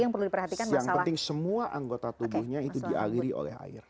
yang penting semua anggota tubuhnya itu dialiri oleh air